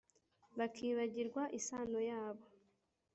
bakibagirwa isano yabo